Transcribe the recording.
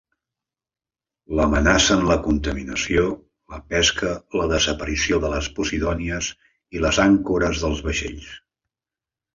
L'amenacen la contaminació, la pesca, la desaparició de les posidònies i les àncores dels vaixells.